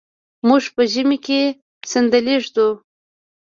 موږ په ژمي کې صندلی ږدو.